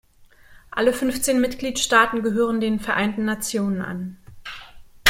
Alle fünfzehn Mitgliedstaaten gehören den Vereinten Nationen an.